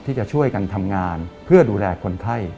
ที่จะช่วยกันทำงานเพื่อดูแลคนไข้